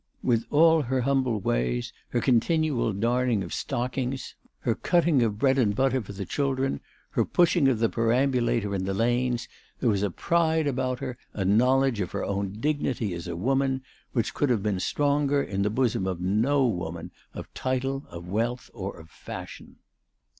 With all her humble ways, her continual darning of stockings, her cutting of 410 ALICE DUGDALE. bread and butter for the children, her pushing of the perambulator in the lanes, there was a pride about her, a knowledge of her own dignity as a woman, which could have been stronger in the bosom of no woman of title, of wealth, or of fashion.